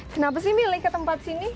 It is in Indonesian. kenapa sih milih ke tempat sini